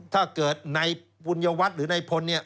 ถ้าเกิดในปุญวัตรหรือในพลเนี่ย